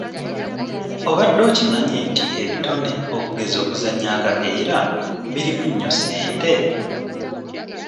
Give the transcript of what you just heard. Obadde okimanyi nti ebitone okugeza okuzannya akapiira birimu nnyo ssente?